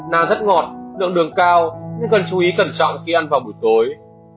na rất ngọt lượng đường cao nhưng cần chú ý cẩn trọng khi ăn vào buổi tối